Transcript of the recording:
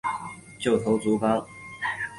旧头足纲